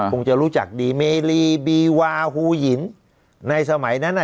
คงจะรู้จักดีเมรีบีวาฮูหินในสมัยนั้น